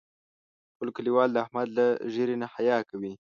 ټول کلیوال د احمد له ږیرې نه حیا کوي.